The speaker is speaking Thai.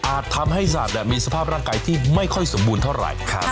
ทำให้สัตว์มีสภาพร่างกายที่ไม่ค่อยสมบูรณ์เท่าไหร่